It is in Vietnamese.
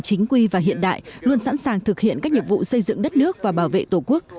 chính quy và hiện đại luôn sẵn sàng thực hiện các nhiệm vụ xây dựng đất nước và bảo vệ tổ quốc